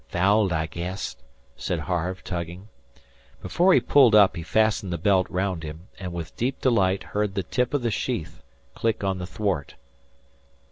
"Fouled, I guess," said Harve, tugging. Before he pulled up he fastened the belt round him, and with deep delight heard the tip of the sheath click on the thwart.